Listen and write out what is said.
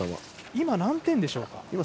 ３点でしょうか。